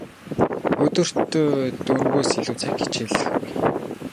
Өдөрт дөрвөөс илүү цаг хичээллэхгүй.